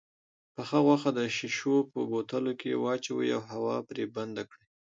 پخه غوښه د شيشو په بوتلو کې واچوئ او هوا پرې بنده کړئ.